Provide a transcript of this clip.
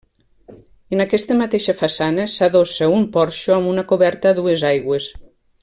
En aquesta mateixa façana s’adossa un porxo amb una coberta a dues aigües.